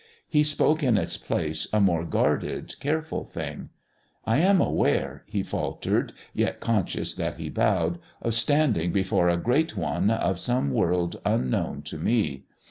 He spoke in its place a more guarded, careful thing: "I am aware," he faltered, yet conscious that he bowed, "of standing before a Great One of some world unknown to me.